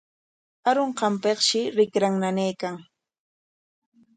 Arunqanpikshi rikran nanaykan.